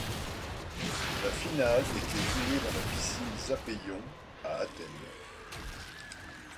La finale était jouée dans la piscine Zappeion, à Athènes.